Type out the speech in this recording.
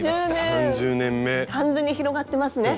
完全に広がってますね。